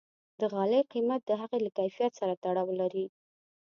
د غالۍ قیمت د هغې له کیفیت سره تړاو لري.